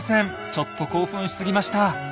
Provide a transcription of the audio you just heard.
ちょっと興奮しすぎました。